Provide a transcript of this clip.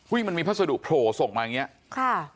อุ้ยมันมีพัศดุโโปโส่งมาอย่างงี้ค่ะ